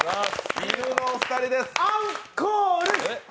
いぬのお二人です。